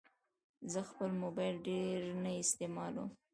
زه خپل موبایل ډېر نه استعمالوم.